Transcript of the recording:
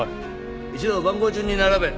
一同番号順に並べ。